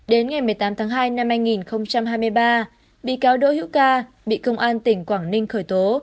đến ngày một mươi tám tháng hai năm hai nghìn hai mươi ba bị cáo đỗ hữu ca bị công an tỉnh quảng ninh khởi tố